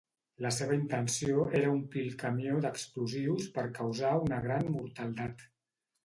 La seva intenció era omplir el camió d’explosius per causar una gran mortaldat.